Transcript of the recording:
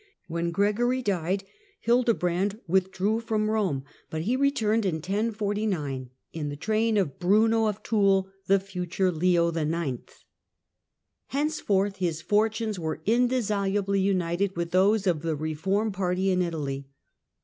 When Gregory died, Hildebrand withdrew from Rome, but he returned 72 THE CENTRAL PERIOD OF THE MIDDLE AGE in 1049 in the train of Bruno of Toul, the future Leo IX. Henceforth, his fortunes were indissolubly united with those of the reform party in Italy.